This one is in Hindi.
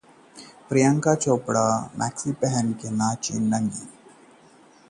प्रियंका चोपड़ा ने फैन्स के लिए शेयर किया स्पेशल वीडियो, दिखा बिल्कुल नया अंदाज